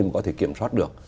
mà có thể kiểm soát được